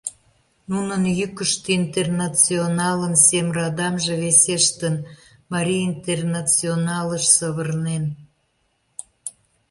Нунын йӱкыштӧ «Интернационалын» сем радамже весештын, «Марий интернационалыш» савырнен.